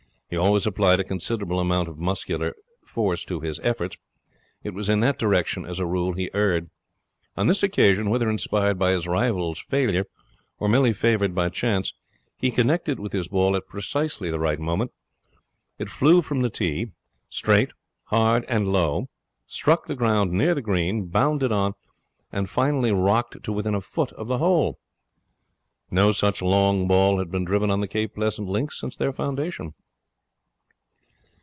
He always applied a considerable amount of muscular force to his efforts. It was in that direction, as a rule, he erred. On this occasion, whether inspired by his rival's failure or merely favoured by chance, he connected with his ball at precisely the right moment. It flew from the tee, straight, hard, and low, struck the ground near the green, bounded on and finally rocked to within a foot of the hole. No such long ball had been driven on the Cape Pleasant links since their foundation.